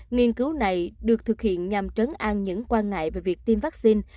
nghiên cứu này được thực hiện nhằm trấn an những quan ngại về việc tiêm vaccine